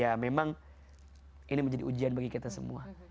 ya memang ini menjadi ujian bagi kita semua